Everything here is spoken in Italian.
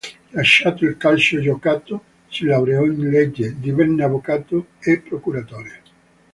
Lasciato il calcio giocato, si laureò in legge divenne avvocato e procuratore.